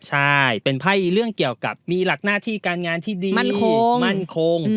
ใช่เป็นไพ่เรื่องเกี่ยวกับมีหลักหน้าที่การงานที่ดีมั่นคง